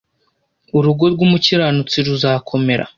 urugo rw’umukiranutsi ruzakomera